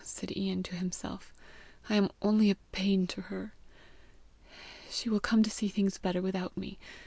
said Ian to himself. "I am only a pain to her. She will come to see things better without me!